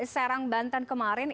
serang banten kemarin